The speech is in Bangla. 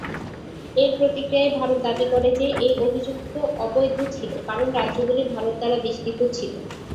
এর প্রতিক্রিয়ায় ভারত দাবি করে যে এই অভিযুক্ত অবৈধ ছিল কারণ রাজ্যগুলি ভারত দ্বারা বেষ্টিত ছিল।